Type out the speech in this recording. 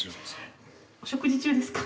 お食事中ですか？